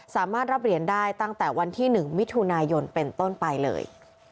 สามารถรับเหรียญได้ตั้งแต่วันที่๑มิถุนายนเป็นต้นไปเลย